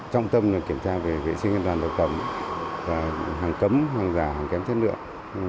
trong tâm kiểm tra về vệ sinh an toàn thực phẩm và hàng cấm hàng giả hàng kém chất lượng